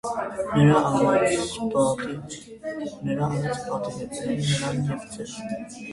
- Նրա արածը պատիվ է բերում նրան և ձեզ: